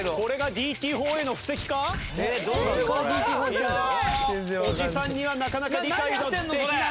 いやおじさんにはなかなか理解ができない。